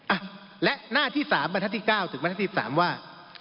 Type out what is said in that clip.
อ่ะและหน้าที่๓บรรทัศที่๙ถึงบรรทัศน๑๓ว่า